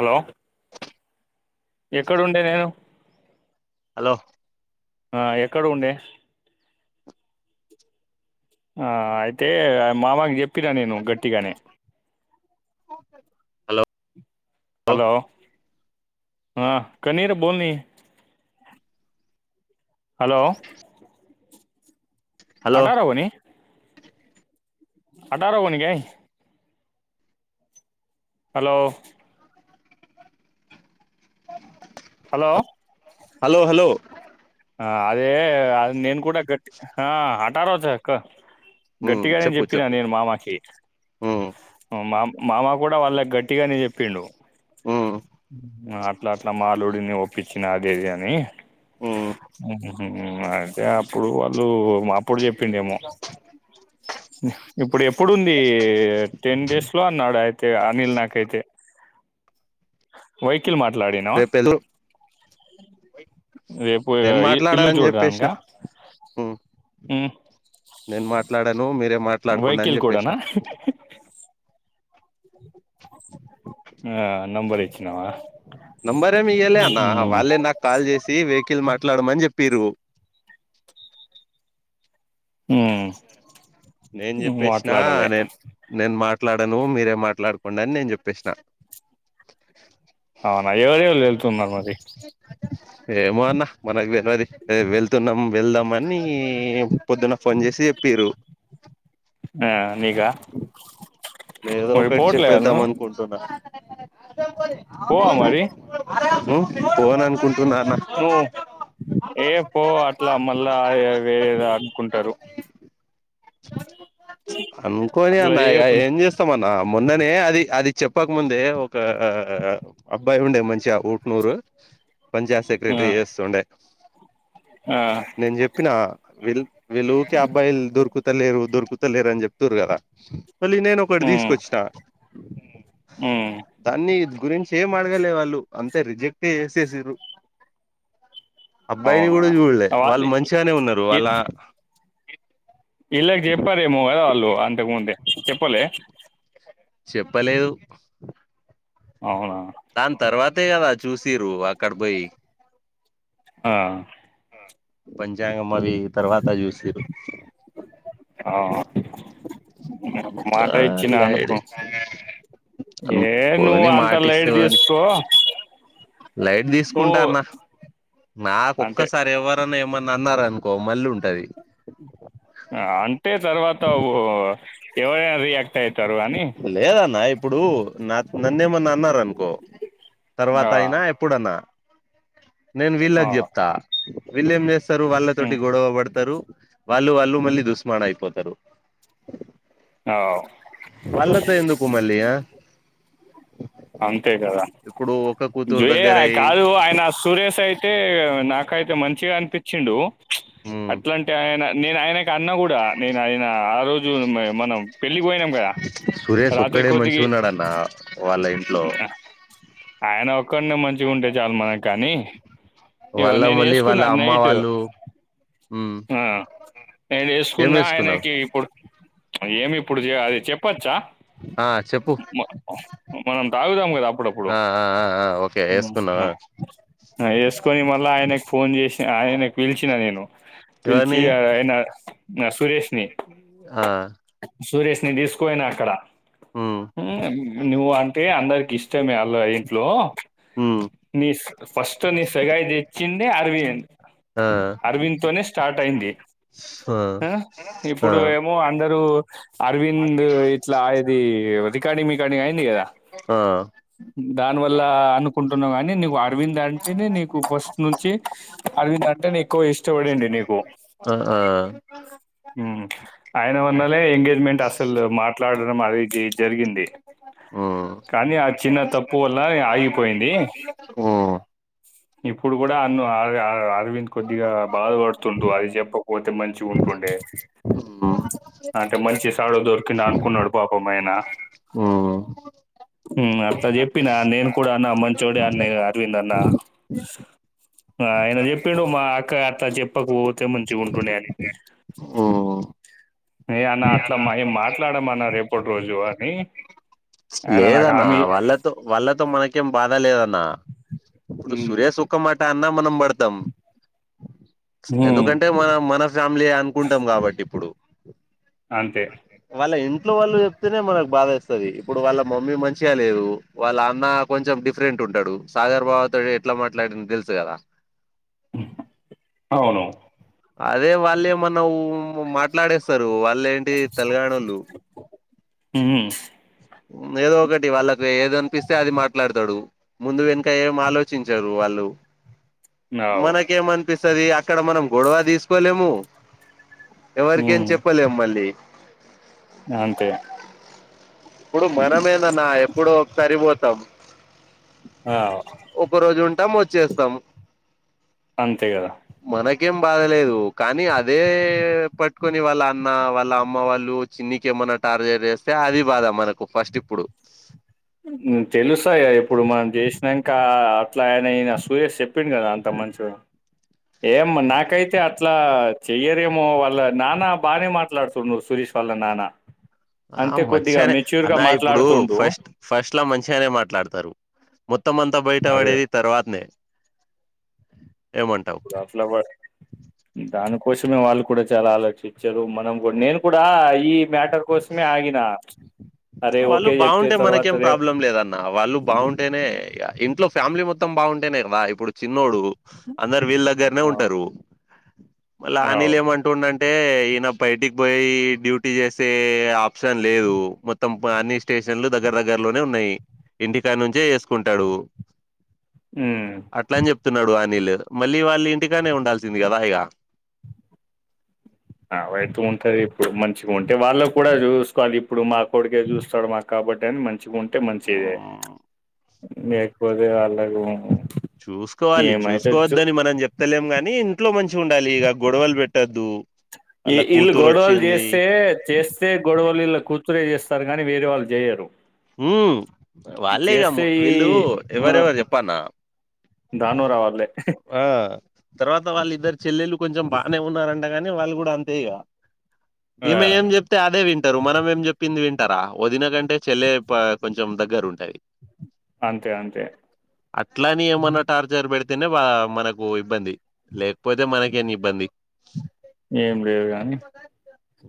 Hello ఎక్కడ ఉండే నేను హలో ఆ ఎక్కడ ఉండే ఆ అయితే మామకి చెప్పినా నేను గట్టిగానే హలో హలో ఆ కనీరు బోల్ని హలో హలో అటారవని అటారోవన్గా హలో హలో ఆ హలో హలో ఆ అదే అది నేను కూడా గట్టి ఆ హఠారో చెకో ఉమ్ గట్టిగానే చెప్పు చెప్పినా చెప్పు నేను మామకి ఉమ్ మామ్ మామ కూడా వాళ్ళక్ గట్టిగానే చెప్పిండు ఉమ్ అట్లా అట్లా మాల్లుడిని ఒప్పించిన అదేది అని హు అయితే అప్పుడు వాళ్ళు మా అప్పుడు చెప్పిండేమో డు ఇప్పుడు ఎప్పుడుంది టెన్ డేస్ లో అన్నాడు అయి తే అనిల్ నా కయి తే ఒ కిల్ మాట్లాడినావ రేపు ఎల్లు అయ్ పో నేను ఇ ఇల్లు మాట్లాడనని చూడ్డానిక చెప్పేసిన ఉమ్ ఉ నేను మాట్లాడాను మీరే మాట్లాడుకోండి అని చెప్పేసిన. కూడానా ఆ నంబర్ ఇచ్చినావా నంబరేం ఇయ్యలే అన్న. వాళ్ళే నాకు కాల్ చేసి వెహికల్ మాట్లాడమని చెప్ప పిరుగు ఊ నేను చెప్పేసిన నేన్ నేను మాట్ మాట్లాడను మీరే మాట్లాడుకోండి అని నేను చెప్పేసిన అవునా ఎవరెవరు వెళ్తున్నారు మరి మ అన్న మనకువేదరి వెళ్తున్నాం. వెళ్దాం అన్నీ పొద్దున్న ఫోన్ చేసి చెప్పిన్రు. ఆ నీకా నే ఏదో మరి ఒకటి పోవట్లేదా చెప్పేద్దాం నువ్వు అనుకుంటున్నా పోవా మరి ఉ పోనం నువ్వు ఏ పో అట్లా మళ్ళా వేరేద అనుకుంటారు అనుకోని అట్లా అన్నా ఇగ చేయకు ఏం చేస్తాం మన్న మొన్ననే అది అది చెప్పకముందే ఒక ఆ అబ్బాయి ఉండే. మంచి గ ఆ ఊట్నూరు. పంచాయత్ నువ్వు సెక్రటరీ ఆ చేస్తుండే ఆ నేను చెప్పిన విల్ విలువకి అబ్బాయిల్ దొరుకుతు దొరుకుత లేరు అని చెప్తురు కదా మళ్ళీ నేను ఒకటి ఉమ్ తీసుకొచ్చిన ఉమ్ దాన్ని గురించి ఏం అడగలే వాళ్ళు అంతే రిజెక్ట్ చేసేసిర్రు అబ్బాయిని అవునా కూడా చూడలే వాళ్ళు మంచిగానే ఉన్నారు వాళ్ళ ఇలాగే చెప్పారేమో కదా వాళ్ళు అంతకుముందే చెప్పలే చెప్పలేదు అవునా అంతే కదా చూసిరు అక్కడ పోయి ఆ పంచాంగం అవి తర్వాత చూసిరు. ఆ. మాట ఇచ్చిన అనుకో అలైడి ఏ నువ్వు పోని అంత మాటిస్తే లైట్ పోని తీసుకో లైట్ నువ్వు తీసుకుంటా అన్న నాకు అంటే ఒక్కసారి ఎవరితో ఏమన్ మన్న అన్నార అనుకో మళ్ళీ ఉంటది. ఆన్ తే తర్వాత ఓ ఎవరయ్యా అది ఎక్ లేదన్న ఇప్పుడు నా నన్నేమన్నా అ అన్నారు అనుకో తర్వాత ఆ, అయినా ఎప్పుడన్నా నేను ఆ, వీళ్ళకి చెప్తా వీళ్లేమ్ చేస్ వస్తారు వాళ్ళతోటి ఉమ్, గొడవ పడతారు వాళ్ళు వాళ్ళు మళ్ళీ దుస్మాడ్ అయిపోతారు ఆ, వాళ్లతో ఎందుకు మళ్ళీ ఆ అంతే కదా ఇప్పుడు ఒక్క కూతురు జ్వేయ అది దగ్గరయి కాదు ఆయన సురేష్ అయితే నాకు నాకైతే అయితే మంచిగా అనిపించిండు ఉమ్ అట్లాంటే ఆయన నేను ఆయనకి అన్న కూడా నేను ఆయన ఆ రోజు మనం పెళ్ళి కి పోయినాం కదా సురేష్ రాత్రి కి ఒక్కడే కొద్దిగి మంచిగున్నాడన్న వాళ్ళ ఇంట్లో ఆయన ఒక్కన్నే మంచిగా ఉంటే చాలు మనకు కానీ ఇగో వాళ్ళ మళ్ళీ వాళ్ళ నేనేసుకున్నాను అమ్మ నైటు. వాళ్ళు ఉమ్ ఆ నేను ఏం వేసుకున్నా వేసుకున్నావు ఆయనకి ఇప్పుడు ఏమి ఇప్పుడు అది చెప్పచ్చా ఆ చెప్పు మ మనం తాగుతాం కదా అప్పుడప్పుడూ ఆ ఆ ఆ ఆ ఓకే వేసుకున్నావా ఆ వేసుకొని మళ్ళీ ఆయనకు ఫోన్ చేసి ఆయనకు పిలిచిన నేను పిలిచి ఎవరిని ఆయనా ఆ సురేష్ ని తీసుకుపోయినా అక్కడ ఉమ్ ఊ నువ్వు అంటే అందరి ఇష్టమే ఆల్లా ఇంట్లో ఉమ్ నీ ఫస్ట్ నీ సెగాయ తెచ్చిందే అరవింద్ ఆ అరవింద్ తోనే స్టార్ట్ అయింది ఆ ఆ ఆ ఇప్పుడు ఏమో అందరూ అరవింద్ ఇట్లా ఇది రికార్డింగ్ రికార్డింగ్ అయింది కదా ఆ దానివల్ల అనుకుంటున్నావు కానీ నీకు అరవింద్ అంటేనే నీకు ఫస్ట్ నుంచి అరవింద్ అంటే ఎక్కువ ఇష్టపడండి నీకు ఆ ఆ హ్మ్. ఆయన వన్నాలే ఎంగ మెంట్ అసలు మా మాట్లాడడం అది గి జరిగింది ఉమ్ కానీ అది చిన్న తక్కు వల్ల అయిమ్ పోయింది ఉమ్ ఇప్పుడు కూడా అన్ను ఆర్ ఆర్ అరవింద్ కొద్దిగా బాధవడు తుండు అది చెప్పకపోతే మంచిగా ఉంటుండే ఉమ్ అంటే మంచి సాడో దొరికింది అనుకున్నాడు పాపం ఆయన ఉమ్ ఉ అత్త చెప్పిన నేను కూడా అన్నా మంచోడే అన్న అరవింద్ అన్న ఆయన చెప్పిండు మా అక్క అత్త చెప్ పకువోతే మంచిగాగుంటుండే అని ఆఓ ఏ అన్న అట్లా ఏమ్ మాట్లాడము అన్న రేపటి రోజు జువాని లేదన్న వాళ్ళతో వాళ్ళతో మనకి ఏమ్ బాధ లేద్ అన్ నా ఇప్పుడు హ్మ్. సూరయష్ ఉక్క మాట్ ఆ అన్నా మనం పడుదాం హ్మ్. ఎందుకంటే మనం మన ఫ్యామిలీ అనుకుంటాం కాబట్టి ఇప్పుడు అంతే వాళ్ళ ఇంట్లో వాళ్ళు చెప్తేనే మనకి బాధ ఏస్తది ఇప్పుడు వాళ్ళ మమ్మీ మంచిగా లేదు వాళ్ళ అన్న కొంచెం డిఫరెంట్ ఉంటాడు సాగర్ బావతోటి ఎట్లా మాట్లాడిండో తెలుసు కదా అవును అదే వాళ్ళేమన్నా ఉ మాట్లాడేస్తారు వాళ్ వాళ్ళు ఏంటి తెల్ గానోళ్ళు ఊ ఉంది ఏదో ఒకటి వాళ్ళకి ఏద అనిపిస్తే అది మాట్లాడతాడు ముందు వెనుక ఏం ఆలోచించారు వాళ్ళు అవు. మనకేం అనిపిస్ వస్తది అక్కడ మనం గొడవ తీసుకోలేము ఎవరికేం హ్మ్. చెప్పలేము మళ్ళీ అంతే ఇప్పుడు మనమేనన్నా ఎప్పుడో ఒక్క సరివోతు తబ్ ఆ! ఒక రోజు ఉంటాము వచ్చేస్తాము అంతే గదా! మనయ్ కేం బాధలేదు కానీ అదే పట్టుకొని వాళ్ళ అన్న వాళ్ళ అమ్మ వాళ్ళు చిన్నికి ఏమన్నా టార్చర్ చేస్తే అది బాధ మనకు ఫస్ట్ ఇప్పుడు ఉ తెలుసు ఆయ ఇప్పుడు మనం చేషి నంక అట్లా ఆయన అయినా సూయష్ చెప్ చెప్పిడు కదా అంత మంచుడు ఏమొ నాకైతే అత్ అట్లా చెయ్యరేమో వాళ్ళ నాన్న బానే మాట్లాడుతుండు సురేష్ వాళ్ళ నాన్న ఆ అంతే కొద్దిగా మంచిగానే మెచ్యూర్ గా అన్నా ఇప్పుడు మాట్లాడుతుండు ఫస్ట్ ఫస్ట్ అట్లా మంచిగానే మాట్లాడతారు మొత్తం అంతా బయట అదే పడేది తర్వాతనే ఏమంటావు ఫలా బ దానుకోష వాళ్ళు కూడా చాలా ఆలోచించారు మనం కూడా నేను కూడా ఈ మ్యాటర్ కోసమే ఆగిన అరే వాళ్ళు ఓకే చెప్తే బాగుంటే తర్వాత మనకేం రే ప్రాబ్లం లేదన్న వాళ్ళు బాగుంటేనే ఇంట్లో ఫ్యామిలీ మొత్తం బాగుంటేనే కదా ఇప్పుడు చిన్నోడు అందరు వీళ్ళ దగ్గరనే ఉంటారు మళ్ల అవు అనిలే ఏమంటుండు అంటే టే ఈయన బయటికి పోయి డ్యూటీ చేస్త వే ఆప్షన్ లేదు మొత్తం అన్ని స్టేషన్లు దగ్గర దగ్గరలోనే ఉన్నాయి ఇంటికా నుంచే చెసుకుంటాడు అట్లాని చెప్తున్నాడు అనిల్ మళ్ళీ వాళ్ళ ఇంటికానే ఉండాల్సింది కదా ఇగ అైతు ఉంటది ఇప్పుడు మంచిగా ఉంటే వాళ్ళ కూడా చూసుకోవాలి ఇప్పుడు మా కొడికే చూస్తాడు మాకు కాబట్టి అని మంచిగా ఉంటే ట్టే మంచిదే లేకపోతే అళ్లాకు చూసుకోవాలి చూసుకోవద్దని మనం చెప్తలేం గాని ఇంట్లో మంచి ఉండాలి ఇక గొడవలు పెట్టొద్దు ఈ ఇల్ గొడవల్ చేస్తే చేస్తే గొడవల్ వీళ్ళ కుతు రే చేస్తారు కానీ వేరే వాళ్ళు చేయరు హ వాళ్ళే ఇగ చేస్తే ఈ వీళ్ళు మన ఎవరెవరు చెప్పన్న దాను రావాలే ఆ తర్వాత వాళ్ళ ఇద్దరు చెల్లెళ్ళలు కొంచెం బాగానే ఉన్నారంటగానీ వాళ్ళు కూడా అంతే ఇగ ఆ ఈమె ఏం చెప్తే అదే వింటారు మనం ఏం చెప్పింది వి ంటార వదిన కంటే చెల్లె కొంచెం దగ్గర ఉంటది అంతే అంతే అట్లాని ఏమన్నా టార్చర్ పెడితే తేనె మనకు ఇబ్బంది లేకపోతే మనకేం ఇబ్బంది ఏం లేదు గాని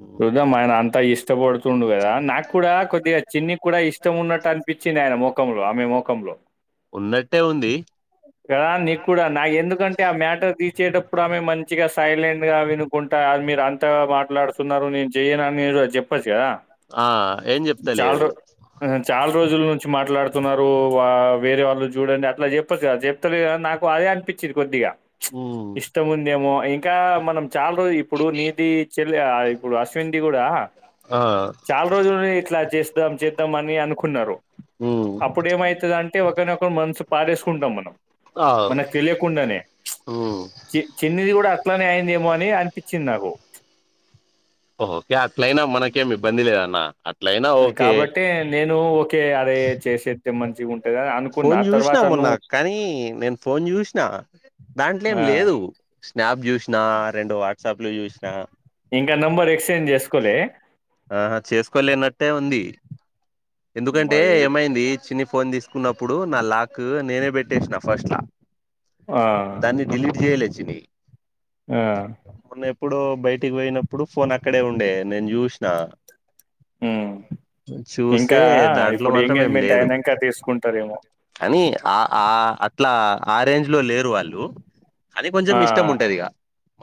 ఉమ్. చూద్దాం ఆయన అంతా ఇష్ట ష్ట పడుతు ండు కదా నాకు కూడా కొద్దిగా చిన్నికి కూడా ఇష్టం ఉన్నట్టు అనిపించింది ఆయన మొ ఖంలో ఆమె ముఖంలో ఉన్నట్టే ఉంది కదా నీకు కూడా నాకు ఎందుకంటే ఆ మ్యాటర్ తీసేటప్పుడు ఆమె మంచిగా సైలెంట్ గా వినుకుంటా మీరు అంత త మాట్లాడుతున్నారు నేను చెయను అని చెప్పచ్చు కదా ఆ ఏం చల్ చెప్తలేదు చాలా రోజుల నుంచి మాట్లాడు న్నారు వా వేరే వాళ్ళు చూడండి అట్లా చెప్పొచ్చు కా చెప్ప ఎత్తలే నాకు అదే అనిపిచ్చింది కొద్దిగా ఉమ్, ఇష్టముందేమో ఇం కా మనం చాలా రోజు ఇప్పుడు నీది చెల్ ఆ ఇప్పుడు అశ్విన్ ది కూడా ఆ, చాల రోజులు ని ఇట్లా చేస్ ద్దాం చేద్దాం అని అనుకున్నారు ఉమ్, అప్పుడు ఏమయితదన్ టే ఒకరినొకరు మనసు పడేసుకుంటాం మనం ఆ, మనకు తెలియకుండానే ఉమ్. చి చిన్నిది కూడా అట్లనే అయిందేమో అని అనిపిచ్చింది నాకు ఓహో ఇగ అట్లైనా మనకేం ఇబ్బంది లేదన్న అట్లయినా ఓకే కాబట్టే నేన్ ఓ ఓకే అదే చేసేత్తె మంచిగున్ ఫోన్ చూసినా మొన్న కానీ నేను ఫోన్ చూసినా దాంట్లో ఏం ఆ! లేదు స్నాప్ చూసిన రెండు వాట్సాప్లు చూసినా ఇంకా నెంబర్ ఎక్స్చేంజ్ చేసుకోలే ఆహా చేసుకోలేనట్టే ఉంది ఎందుకంటే మరి ఏమైంది చిన్ని ఫోన్ తీసుకున్నప్పుడు నా లాక్ నేనే పెట్టేసిన ఫస్ట్ ల ఆ దాన్ని ఢిలీట్ చెయ్ లే చిన్ని ఆ ప్పుడు బయటికి పోయినప్పుడు ఫోన్ అక్కడే ఉండే నేను చూసిన చూస్ కా ఇప్పుడు ఎంగేజ్మెంట్ అయినాంకా తీసుకుంటారేమో నీ ఆ అట్లా ఆ రేంజ్ లో లేరు వాళ్ళు కానీ కొంచెం ఆ ఇష్టం ఉంటది ఇగ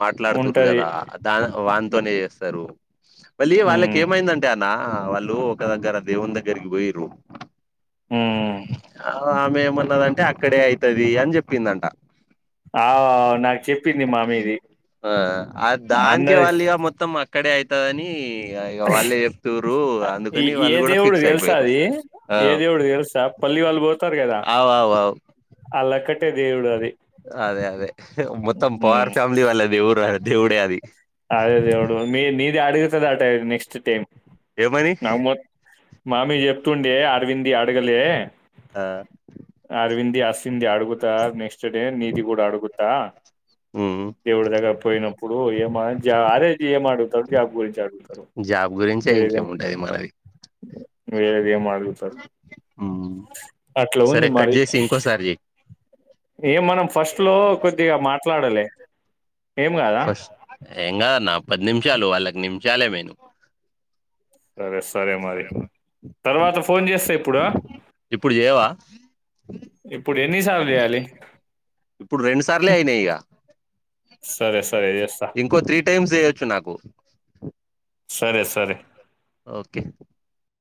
మాట్లాడుతురు ఉంటది కదా దాని వానితోనే చేస్తారు వలి వాళ్ళకి ఉమ్, ఏమయిందంటే అన్నా వాళ్ళు ఒక దగ్గర దేవుని దగ్ గ్గరకి పోయిర్రు ఉమ్. ఆ ఏమన్నదంటే అక్కడే అయితది అని చెప్పిందంట ఆ నాకు చెప్పింది మా మీది ఆ అన్నది ఇక్కడే అయితదని ఇగ ఇగ వాళ్ళే చెప్తుర్రు అందుకని వాళ్ళు కూడా ఫిక్ నీకు తెలుసా అది ఏ దేవుడు తెలుసా పల్లి వాళ్ళు పోతారు కదా అవు అవు అవు అలక్కట్టే దేవుడు అది అదే అదే మొత్తం ఉమ్, పవార్ ఫ్యామిలీ వాళ్ళ దేవుడు దేవుడే అది అదే దేవుడు మీన్ నిది అడుగుతది ఆట నెక్స్ట్ టైమ్ ఏమని మామీ చెప్తుండే అరవింద అడగలే ఆ అరవింద్ ది అస్ తింది అడుగుత నెక్స్ట్ డే నిధి కూడా అడుగుత త ఉమ్ దేవుడి దగ్గర పోయినప్పుడు ఏమ జ అే ఏమ్ అడుగుతాడు జాబ్ గురించి అడుగుతాడు జాబ్ గురించే ఇంకేముంటది మనది వేరేది ఏమడుగు తాడు సార్ ఉమ్ సరే కట్ చేసి ఇంకో సారి చేయి ఏం మనం ఫస్ట్ ఇట్లో కొద్దిగా మాట్లాడలే ఫస్ట్ ఎంగాదన్న నిమిషాలు వాళ్ళకి నిమిషాల చాల మను సరే సరే మరి తర్వాత ఫోన్ చేస్తా ఇప్పుడు ఇప్పుడు చేయవా ఇ ఇప్పుడు రెండు సార్లే అయినాయి ఇక సరే సరే చేస్తా ఇంకో త్రీ టైమ్స్ వచ్చు నాకు సరే ఓకే ఓకే